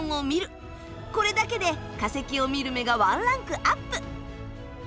これだけで化石を見る目がワンランクアップ！